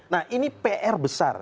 nah ini pr besar